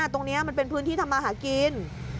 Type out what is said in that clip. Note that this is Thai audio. ตรงนี้มันเป็นพื้นที่ทำมาหากิน